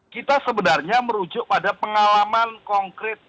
kita sebenarnya merujuk pada pengalaman konkret